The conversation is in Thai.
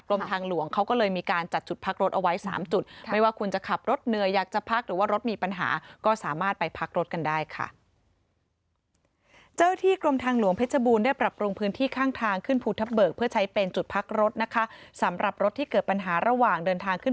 กรมทางหลวงเขาก็เลยมีการจัดจุดพักรถเอาไว้๓จุด